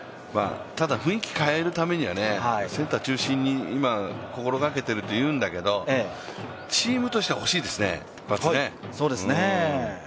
ただ雰囲気を変えるためにはセンター中心に心がけているというんだけど、チームとしては欲しいですね、一発ね。